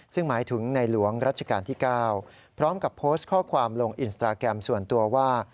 ซึ่งหมายถึงในหลวงรัชกาลที่๙พร้อมกับโพสต์ข้อความลงอินสตราแกรมส่วนตัวว่า